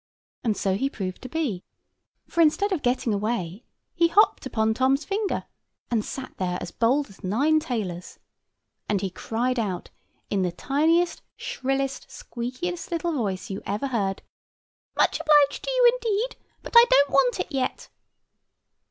And so he proved to be; for instead of getting away, he hopped upon Tom's finger, and sat there as bold as nine tailors; and he cried out in the tiniest, shrillest, squeakiest little voice you ever heard, "Much obliged to you, indeed; but I don't want it yet."